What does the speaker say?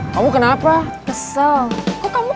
lagi ketemuan sama temennya dulu